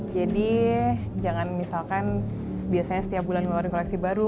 jadi jangan misalkan biasanya setiap bulan ngeluarin koleksi baru